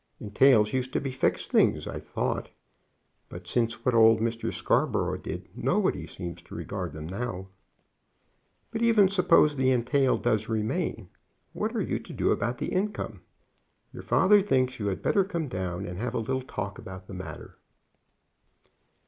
Entails used to be fixed things, I thought; but since what old Mr. Scarborough did nobody seems to regard them now. But even suppose the entail does remain, what are you to do about the income? Your father thinks you had better come down and have a little talk about the matter."